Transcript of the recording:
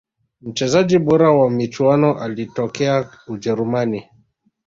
mchezaji bora wa michuano alitokea ujerumani